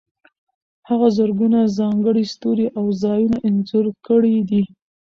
هغه زرګونه ځانګړي ستوري او ځایونه انځور کړي دي.